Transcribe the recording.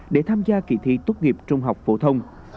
để tham gia kỳ thi tốt nghiệp trung học phổ thông